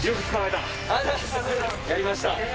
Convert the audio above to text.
やりました。